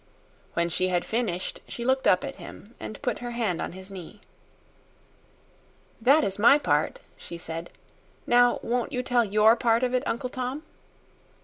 When she had finished she looked up at him and put her hand on his knee. "That is my part," she said. "Now won't you tell your part of it, Uncle Tom?"